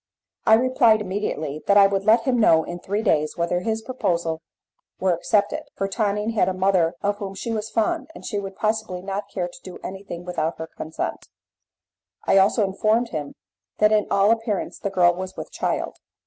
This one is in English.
I replied immediately that I would let him know in three days whether his proposal were accepted, for Tonine had a mother of whom she was fond, and she would possibly not care to do anything without her consent. I also informed him that in all appearance the girl was with child.